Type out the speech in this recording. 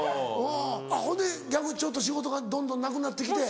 ほんで逆にちょっと仕事がどんどんなくなって来て。